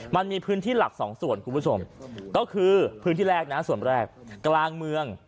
มันมีพื้นที่หลักสองส่วนคุณผู้ชมก็คือพื้นที่แรกนะส่วนแรกกลางเมือง